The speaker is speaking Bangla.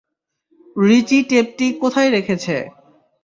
রিচি টেপটি কোথায় রেখেছে?